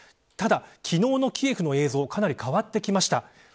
ただ、昨日のキエフの映像かなり変わってきました。